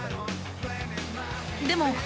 でも